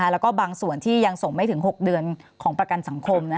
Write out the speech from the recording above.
แล้วก็บางส่วนที่ยังส่งไม่ถึง๖เดือนของประกันสังคม